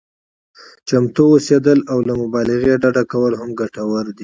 چمتو اوسېدل او له مبالغې ډډه کول هم ګټور دي.